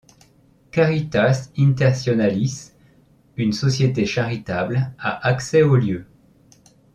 Caritas Internationalis, une société charitable, a accès aux lieux.